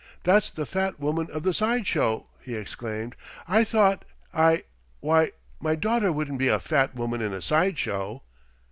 That's the Fat Woman of the side show!" he exclaimed. "I thought I why, my daughter wouldn't be a Fat Woman in a side show!"